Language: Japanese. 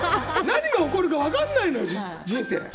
何が起こるか分からないのよ人生。